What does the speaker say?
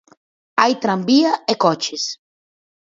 Hai tranvía e coches.